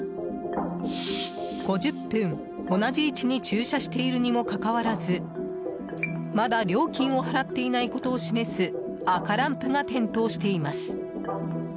５０分、同じ位置に駐車しているにもかかわらずまだ払っていないことを示す赤ランプが点灯しています。